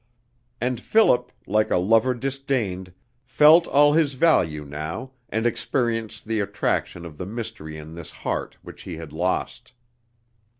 And Philip, like a lover disdained, felt all his value now and experienced the attraction of the mystery in this heart which he had lost.